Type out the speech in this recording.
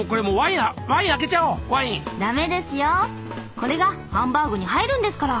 これがハンバーグに入るんですから！